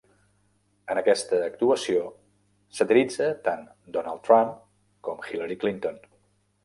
En aquesta actuació, satiritza tant Donald Trump com Hillary Clinton.